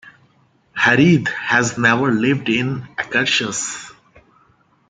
Hareide has never lived in Akershus.